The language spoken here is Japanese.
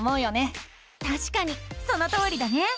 たしかにそのとおりだね！